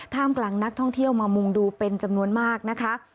กำลังนักท่องเที่ยวมามุงดูเป็นจำนวนมากนะคะ